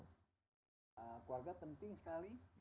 keluarga penting sekali